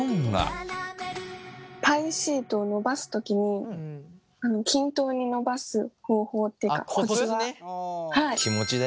パイシートを伸ばす時に均等に伸ばす方法というかコツは。